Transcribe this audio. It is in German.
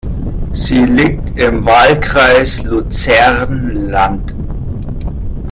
Sie liegt im Wahlkreis Luzern-Land.